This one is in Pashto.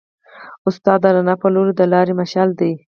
استاد د رڼا په لور د لارې مشعل دی.